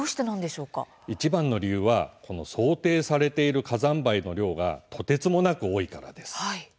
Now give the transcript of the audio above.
いちばんの理由は想定されている火山灰の量がとてつもなく多いからです。